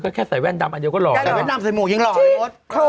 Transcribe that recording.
ก็แค่ใส่แว่นดำอันเดียวก็หล่อใส่แว่นดำใส่หมวกยังหล่อเลยมด